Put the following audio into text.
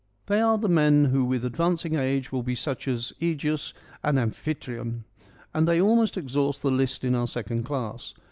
They are the men who with advancing age will be such as iEgeus and Amphitryon. And they almost exhaust the list in our second class.